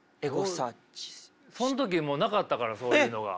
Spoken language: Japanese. その時もうなかったからそういうのが。